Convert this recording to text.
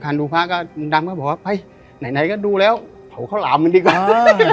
ดูพระก็ลุงดำก็บอกว่าไปไหนก็ดูแล้วเผาข้าวหลามมันดีกว่า